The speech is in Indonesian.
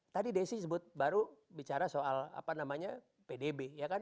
tadi desy sebut baru bicara soal apa namanya pdb